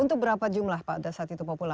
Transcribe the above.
untuk berapa jumlah pada saat itu populau